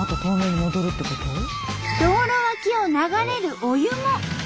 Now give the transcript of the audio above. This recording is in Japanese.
道路脇を流れるお湯も白。